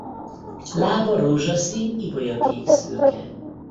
Lába rózsaszín-ibolyaszkékszürke.